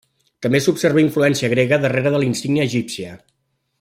També s'observa influència grega darrere de la insígnia egípcia.